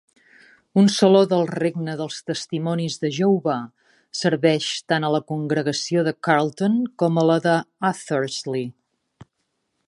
Un Saló del Regne dels testimonis de Jehovà serveix tant a la congregació de Carlton com a la d'Athersley.